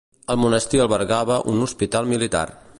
El monestir albergava un hospital militar.